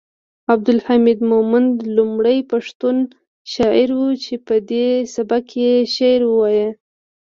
عبدالحمید مومند لومړی پښتون شاعر و چې پدې سبک یې شعر وایه